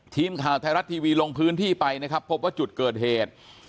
ทีมข่าวไทยรัฐทีวีลงพื้นที่ไปนะครับพบว่าจุดเกิดเหตุ